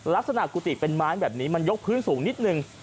กุฏิเป็นไม้แบบนี้มันยกพื้นสูงนิดนึง